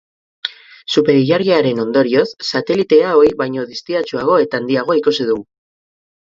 Superilargiaren ondorioz, satelitea ohi baino distiratsuago eta handiago ikusi dugu.